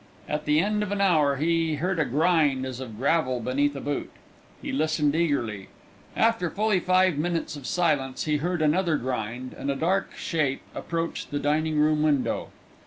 At the end of an hour he heard a grind as of gravel beneath a boot. He listened eagerly. After fully five minutes of silence he heard another grind, and a dark shape approached the dining room window.